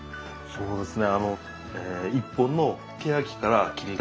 そうですね。